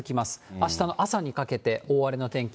あしたの朝にかけて大荒れの天気。